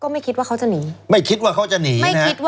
ไม่คิดว่าเขาจะหนี